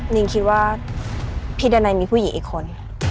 นิงคิดว่าพี่ดันัยมีผู้หญิงอีกคน